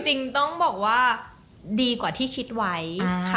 จริงต้องบอกว่าดีกว่าที่คิดไว้ค่ะ